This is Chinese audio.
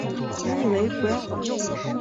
你以为不让我用